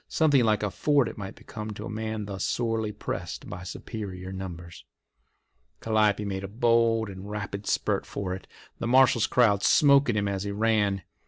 Something like a fort it might become to a man thus sorely pressed by superior numbers. Calliope made a bold and rapid spurt for it, the marshal's crowd "smoking" him as he ran.